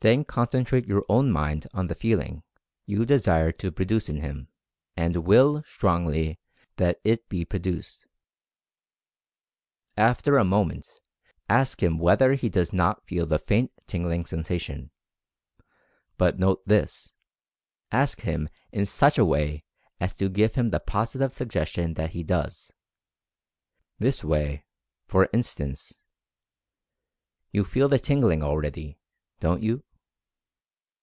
Then concentrate your own mind on the feeling you desire to produce in him, and WILL strongly that it be pro duced. After a moment ask him whether he does not feel the faint tingling sensation — but note this, ask him in such a way as to give him the positive sug gestion that he does — this way, for instance: "You feel the tingling already, don't you."